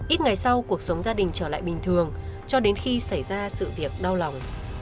ít ngày sau cuộc sống gia đình trở lại bình thường cho đến khi xảy ra sự việc đau lòng